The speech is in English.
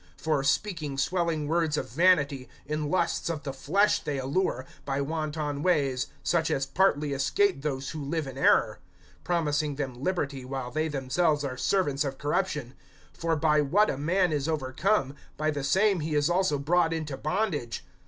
(18)For, speaking swelling words of vanity, in lusts of the flesh they allure, by wanton ways, such as partly escape those who live in error; (19)promising them liberty, while they themselves are servants of corruption; for by what a man is overcome, by the same he is also brought into bondage.